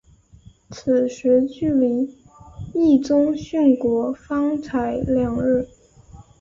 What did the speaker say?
此时距离毅宗殉国方才两日。